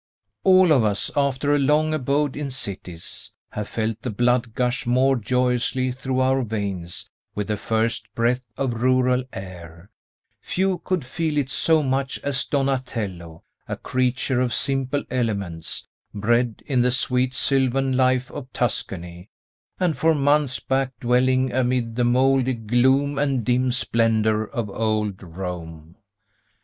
All of us, after a long abode in cities, have felt the blood gush more joyously through our veins with the first breath of rural air; few could feel it so much as Donatello, a creature of simple elements, bred in the sweet sylvan life of Tuscany, and for months back dwelling amid the mouldy gloom and dim splendor of old Rome.